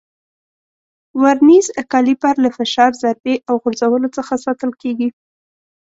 ورنیز کالیپر له فشار، ضربې او غورځولو څخه ساتل کېږي.